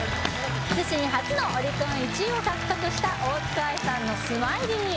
自身初のオリコン１位を獲得した大塚愛さんの「ＳＭＩＬＹ」